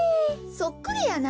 そっくりやな。